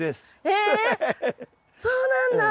えっそうなんだ！